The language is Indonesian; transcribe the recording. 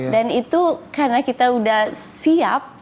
dan itu karena kita udah siap